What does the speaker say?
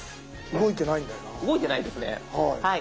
動いてないですね。